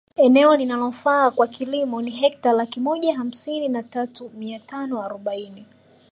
Eneo linalofaa kwa kilimo ni Hekta laki moja hamsini na tatu mia tano arobaini